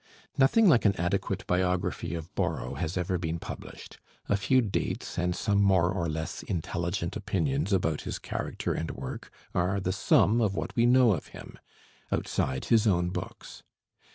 Nothing like an adequate biography of Borrow has ever been published: a few dates, and some more or less intelligent opinions about his character and work, are the sum of what we know of him outside his own books.